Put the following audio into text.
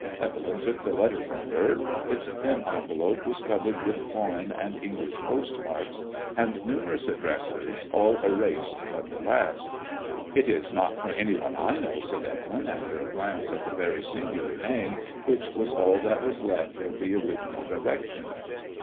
Evelyn took the letter from her. Its thin envelope was covered with foreign and English postmarks, and numerous ad dresses, all erased but the last. " It is not for any one I know, said Evelyn, after a glance at the very singular name, which was \ to MADBliOISSLLB IXK. all that was left of the origmal direction.